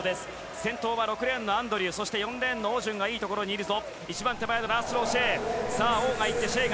先頭は６レーンのアンドリュー、そしてオウ・ジュンがいいところにいるぞ。